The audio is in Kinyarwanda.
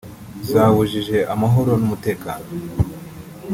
zabujije amahoro n’umutekano